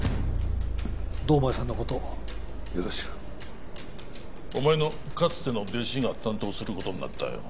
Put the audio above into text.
堂前さんのことよろしくお前のかつての弟子が担当することになったよ